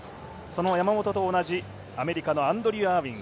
その山本と同じアメリカのアンドリュー・アーウィン。